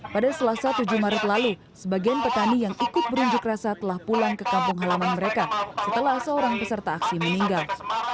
pada selasa tujuh maret lalu sebagian petani yang ikut berunjuk rasa telah pulang ke kampung halaman mereka setelah seorang peserta aksi meninggal